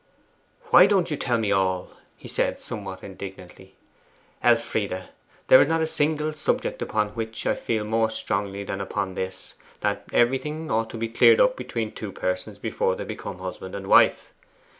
'Why don't you tell me all?' he said somewhat indignantly. 'Elfride, there is not a single subject upon which I feel more strongly than upon this that everything ought to be cleared up between two persons before they become husband and wife.